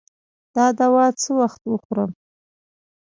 دا دوا څه وخت وخورم؟